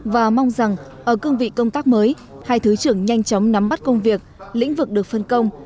và mong rằng ở cương vị công tác mới hai thứ trưởng nhanh chóng nắm bắt công việc lĩnh vực được phân công